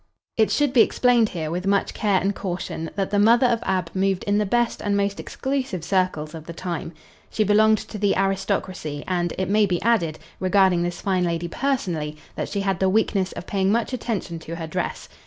It should be explained here, with much care and caution, that the mother of Ab moved in the best and most exclusive circles of the time. She belonged to the aristocracy and, it may be added, regarding this fine lady personally, that she had the weakness of paying much attention to her dress.